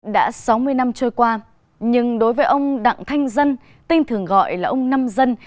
đã sáu mươi năm trôi qua nhưng đối với ông đặng thanh dân tên thường gọi là ông nam dân